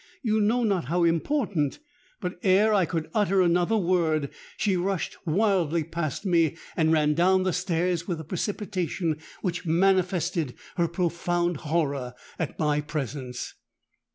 You know not how important——.'—But ere I could utter another word, she rushed wildly past me, and ran down the stairs with a precipitation which manifested her profound horror at my presence.